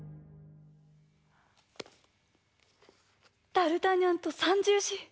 ダルタニャンと三銃士。